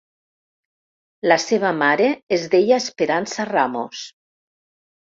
La seva mare es deia Esperança Ramos.